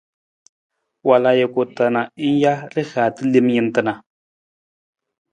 Wal ajuku ta na ng ja rihaata lem jantna.